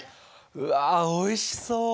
うわおいしそう！